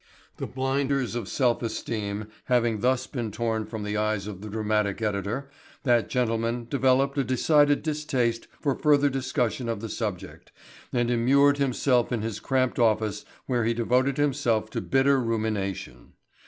The blinders of self esteem having thus been torn from the eyes of the dramatic editor, that gentleman developed a decided distaste for further discussion of the subject and immured himself in his cramped office where he devoted himself to bitter rumination.